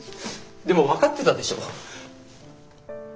でも分かってたでしょ？